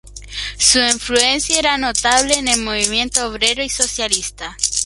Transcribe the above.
Su influencia era notable en el movimiento obrero y socialista.